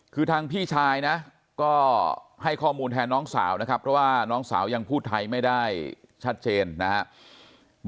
คือทางพี่ชายนะก็ให้ข้อมูลแทนน้องสาวนะครับเพราะว่าน้องสาวยังพูดไทยไม่ได้ชัดเจนนะครับ